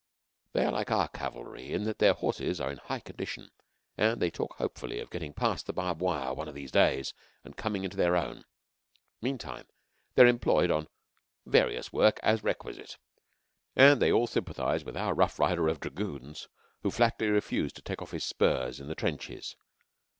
They are like our Cavalry in that their horses are in high condition, and they talk hopefully of getting past the barbed wire one of these days and coming into their own. Meantime, they are employed on "various work as requisite," and they all sympathize with our rough rider of Dragoons who flatly refused to take off his spurs in the trenches.